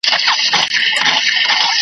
د پښتنو هر مشر .